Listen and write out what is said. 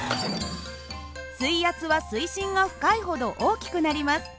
水圧は水深が深いほど大きくなります。